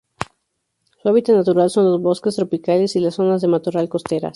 Su hábitat natural son los bosques tropicales y las zonas de matorral costeras.